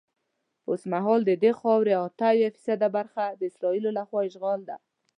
اوسمهال ددې خاورې اته اویا فیصده برخه د اسرائیلو له خوا اشغال ده.